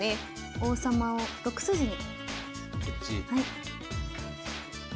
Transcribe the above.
王様を６筋に。